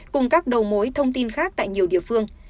cùng các đầu mối thông tin khác tại nhiều địa phương